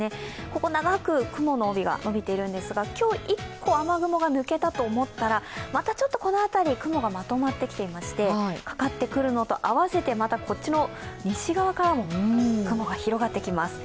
ここ長く雲の帯が延びているんですが今日１個、雨雲が抜けたと思ったらまたこの辺り、雲がまとまってきてましてかかってくるのと合わせてまたこっちの西側からも雲が広がってきます。